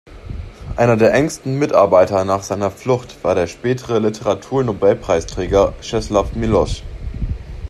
Einer der engsten Mitarbeiter nach seiner Flucht war der spätere Literaturnobelpreisträger Czesław Miłosz.